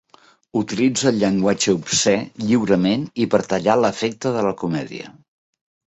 Utilitza el llenguatge obscè lliurement i per tallar l'efecte de la comèdia.